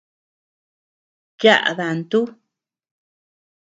Yaʼa dantu.